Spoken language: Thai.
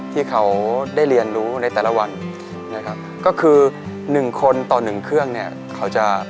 ที่เขาได้เรียนรู้ในแต่ละวันก็คือ๑คนต่อ๑เครื่องเนี่ย